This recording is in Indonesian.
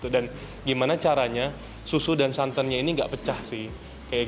dan gimana caranya susu dan santannya ini nggak pecah sih